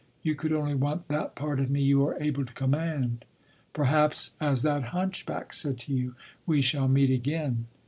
You could only want that part of me you are able to command. Perhaps, as that Hunchback said to you, ’We shall meet again.